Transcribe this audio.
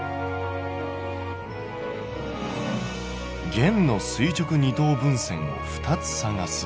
「弦の垂直二等分線を２つ探す」。